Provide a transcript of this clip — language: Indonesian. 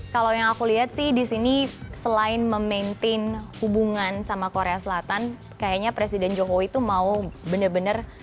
kalau yang aku lihat sih disini selain memaintain hubungan sama korea selatan kayaknya presiden jokowi itu mau bener bener